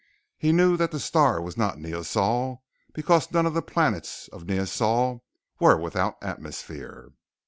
He knew that the star was not Neosol because none of the planets of Neosol were without atmosphere.